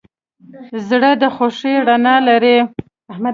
زړه د خوښۍ رڼا لري.